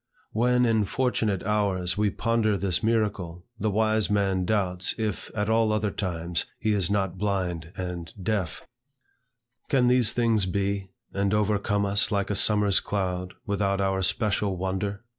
When in fortunate hours we ponder this miracle, the wise man doubts, if, at all other times, he is not blind and deaf; "Can these things be, And overcome us like a summer's cloud, Without our special wonder?"